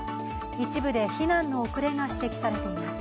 一部で避難の遅れが指摘されています。